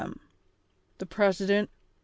31. The president. Eev.